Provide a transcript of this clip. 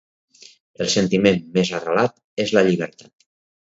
El sentiment més arrelat és la llibertat.